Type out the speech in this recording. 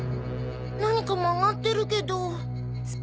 なんか曲がってるけど。